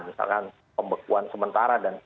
misalkan pembekuan sementara